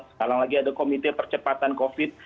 sekarang lagi ada komite percepatan covid